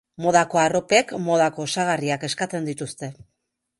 Modako arropek modako osagarriak eskatzen dituzte.